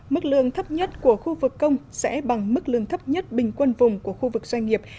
mức lương thấp nhất của khu vực công sẽ bằng mức lương thấp nhất bình quân vùng của khu vực doanh nghiệp